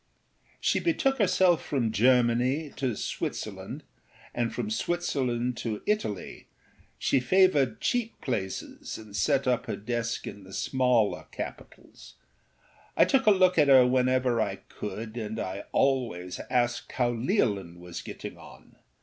She betook herself from Germany to Switzerland and from Switzerland to Italy; she favoured cheap places and set up her desk in the smaller capitals. I took a look at her whenever I could, and I always asked how Leolin was getting on.